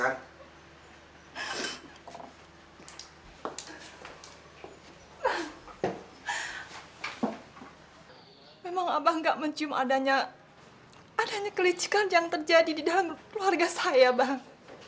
memang abang nggak mencium adanya kelicikan yang terjadi di dalam keluarga saya bang